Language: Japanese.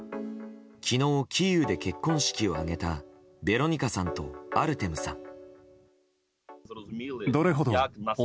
昨日、キーウで結婚式を挙げたベロニカさんとアルテムさん。